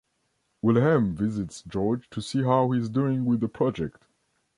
Wilhelm visits George to see how he is doing with the project.